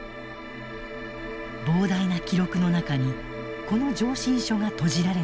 膨大な記録の中にこの上申書がとじられていた。